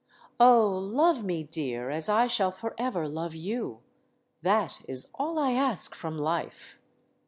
Oh, love me, dear, as I shall forever love you! That is all I ask from life.